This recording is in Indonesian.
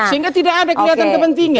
sehingga tidak ada kegiatan kepentingan